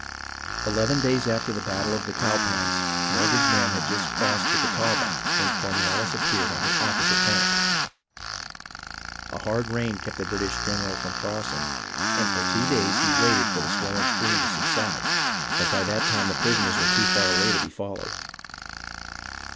Eleven GREENE'S WORK IN THE SOUTH 337 days after the battle of the Cowpens, Morgan's men had just crossed the Catawba when Cornwallis appeared on the opposite bank, A hard rain kept the British general from crossing, and for two days he waited for the swollen stream to subside, but by that time the prisoners were too far away to be followed.